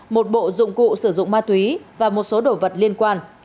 một bộ dụng cụ sử dụng ma túy và một số đồ vật liên quan